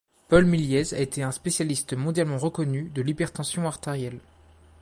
Paul Milliez a été un spécialiste mondialement reconnu de l'hypertension artérielle.